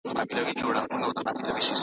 چي په افغانستان کي یې ږغول ناروا دي، ږغوي .